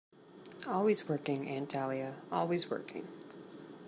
Always working, Aunt Dahlia, always working.